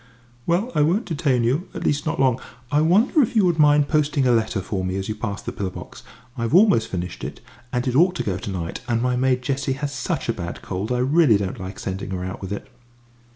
"Well, I won't detain you at least, not long. I wonder if you would mind posting a letter for me as you pass the pillar box? I've almost finished it, and it ought to go to night, and my maid Jessie has such a bad cold I really don't like sending her out with it."